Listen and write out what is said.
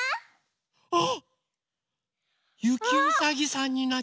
あっ！